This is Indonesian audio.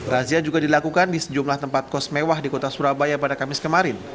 razia juga dilakukan di sejumlah tempat kos mewah di kota surabaya pada kamis kemarin